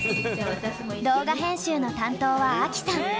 動画編集の担当はアキさん！